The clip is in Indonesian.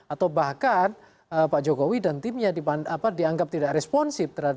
atau bahkan pak jokowi dan timnya dianggap tidak responsif